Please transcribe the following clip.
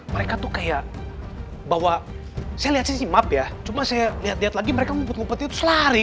mereka tuh kayak bahwa saya lihat map ya cuma saya lihat lihat lagi mereka ngumpet ngumpet itu selari